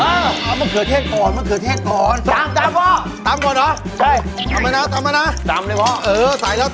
เรียบร้อยกระเทียมกระเทียมไปแล้วกระเทียมไปแล้ว